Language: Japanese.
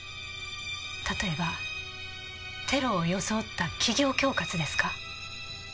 例えばテロを装った企業恐喝ですか？